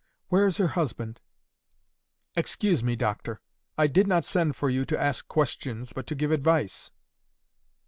"'Where is her husband?' "'Excuse me, doctor; I did not send for you to ask questions, but to give advice.